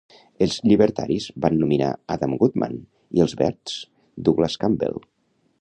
Els llibertaris van nominar Adam Goodman i els verds Douglas Campbell.